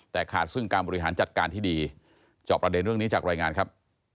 แต่ขาดซึ่งการบริหารจัดการที่ดีจอบประเด็นเรื่องนี้จากรายงานครับ